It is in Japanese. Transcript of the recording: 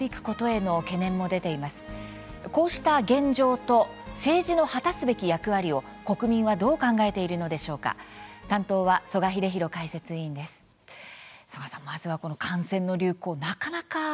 こうした現状と政治の果たすべき役割を国民はどう考えているのでしょうか。